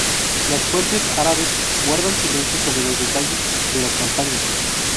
Las fuentes árabes guardan silencio sobre los detalles de las campañas.